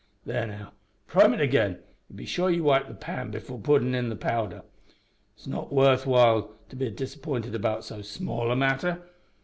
There now, prime it again, an' be sure ye wipe the pan before puttin' in the powder. It's not worth while to be disap'inted about so small a matter.